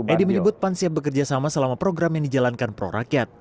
edy menyebut pan siap bekerjasama selama program yang dijalankan pro rakyat